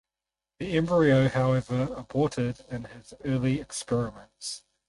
The Embryo however aborted in his early experiments.